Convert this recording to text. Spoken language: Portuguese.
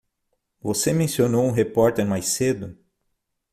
Você mencionou um repórter mais cedo?